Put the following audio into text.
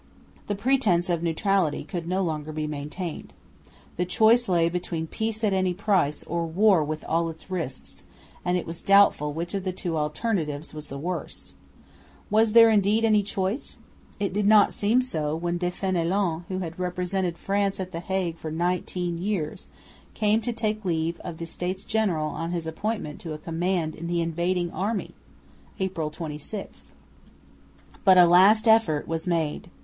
The pretence of neutrality could no longer be maintained. The choice lay between peace at any price or war with all its risks; and it was doubtful which of the two alternatives was the worse. Was there indeed any choice? It did not seem so, when De Fénélon, who had represented France at the Hague for nineteen years, came to take leave of the States General on his appointment to a command in the invading army (April 26). But a last effort was made.